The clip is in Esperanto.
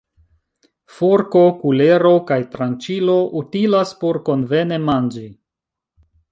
Forko, kulero kaj tranĉilo utilas por konvene manĝi.